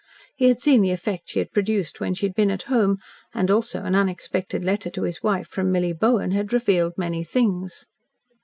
He had seen the effect she had produced when she had been at home, and also an unexpected letter to his wife from Milly Bowen had revealed many things.